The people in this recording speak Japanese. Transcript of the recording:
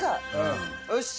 よし。